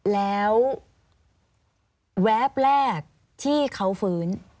แล้วแวบแรกที่เขาฟื้น